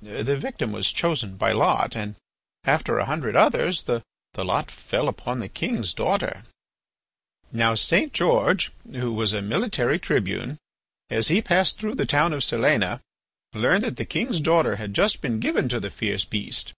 The victim was chosen by lot, and after a hundred others, the lot fell upon the king's daughter. "Now St. George, who was a military tribune, as he passed through the town of Silena, learned that the king's daughter had just been given to the fierce beast.